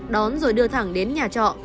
đón rồi đưa thẳng đến nhà trọ